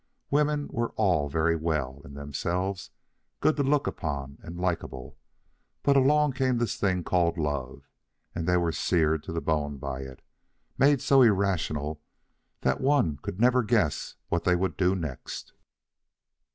Women were all very well, in themselves good to look upon and likable; but along came this thing called love, and they were seared to the bone by it, made so irrational that one could never guess what they would do next.